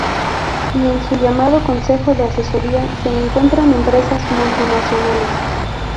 Y en su llamado Concejo de Asesoría se encuentran empresas multinacionales.